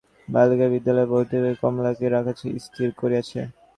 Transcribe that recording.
অনেক চিন্তা করিয়া রমেশ বালিকাবিদ্যালয়ের বোর্ডিঙে কমলাকে রাখা স্থির করিয়াছে।